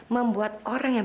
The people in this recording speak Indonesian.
membuat orang yang